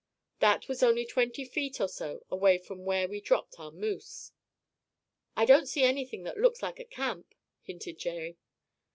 That was only twenty feet or so away from where we dropped our moose." "I don't see anything that looks like a camp," hinted Jerry.